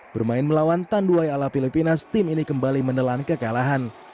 bermain melawan tanduai ala filipina tim ini kembali menelan kekalahan